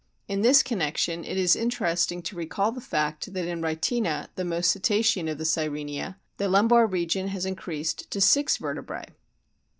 In this connection it is interesting to recall the fact that in Rhytina, the most "cetacean" of the Sirenia, the lumbar region has increased to six vertebrae.